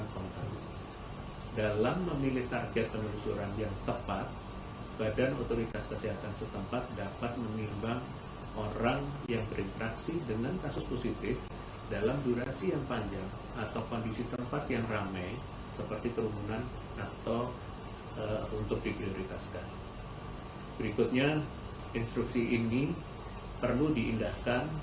contohnya skema pre corridor arrangement pemegang visa diplomatik dan dinas menteri ke atas beserta rombongan untuk hubungan kenegaraan